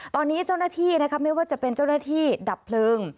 ตอนนี้เจ้าหน้าที่นะคะไม่ว่าจะเป็นเจ้าหน้าที่ดับเพลิง